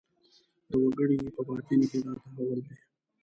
د وګړي په باطن کې دا تحول دی.